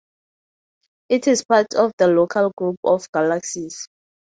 It is part of the Local Group of galaxies.